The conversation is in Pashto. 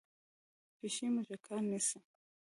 پیشو موږکان نیسي.